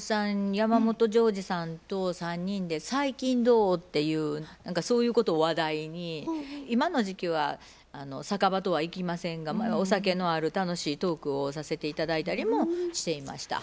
山本譲二さんと３人で「最近どう？」っていうそういうことを話題に今の時期は酒場とはいきませんが前はお酒のある楽しいトークをさせて頂いたりもしていました。